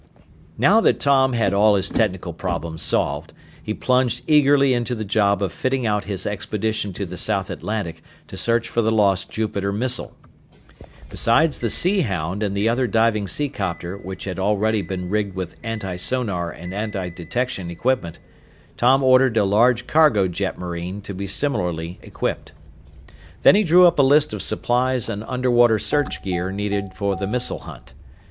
Now that Tom had all his technical problems solved, he plunged eagerly into the job of fitting out his expedition to the South Atlantic to search for the lost Jupiter missile. Besides the Sea Hound and the other diving seacopter which had already been rigged with antisonar and antidetection equipment, Tom ordered a large cargo jetmarine to be similarly equipped. Then he drew up a list of supplies and underwater search gear needed for the missile hunt.